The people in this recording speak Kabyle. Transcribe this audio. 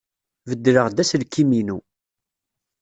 Beddleɣ-d aselkim-inu.